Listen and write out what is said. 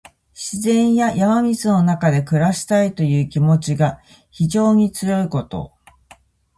自然や山水の中で暮らしたいという気持ちが非常に強いこと。